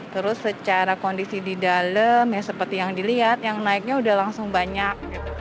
terus secara kondisi di dalam ya seperti yang dilihat yang naiknya udah langsung banyak